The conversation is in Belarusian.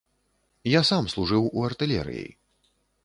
Я сам служыў у артылерыі.